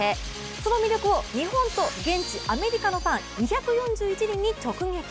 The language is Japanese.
その魅力を日本と、現地アメリカのファン、２４１人に直撃。